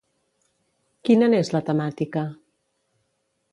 Quina n'és la temàtica?